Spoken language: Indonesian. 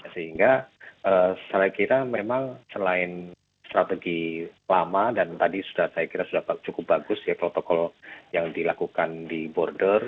sehingga saya kira memang selain strategi lama dan tadi sudah saya kira sudah cukup bagus ya protokol yang dilakukan di border